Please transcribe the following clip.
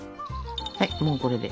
はいもうこれで。